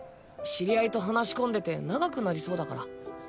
知り合いと話し込んでて長くなりそうだから。